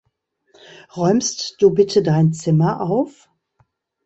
Räumst du bitte dein Zimmer auf!